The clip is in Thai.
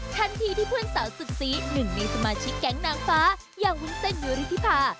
ทันทีที่เพื่อนสาวสุดซีหนึ่งในสมาชิกแก๊งนางฟ้าอย่างวุ้นเส้นวิริธิภา